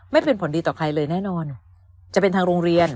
ไม่เป็นผลดีต่อใครเลยแน่นอนจะเป็นทางโรงเรียน